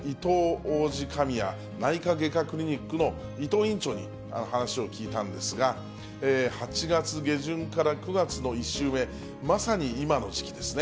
このいとう王子神谷内科クリニックの伊藤院長に話を聞いたんですが、８月下旬から９月の１週目、まさに今の時期ですね。